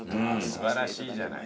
素晴らしいじゃない。